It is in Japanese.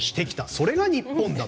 それが日本だと。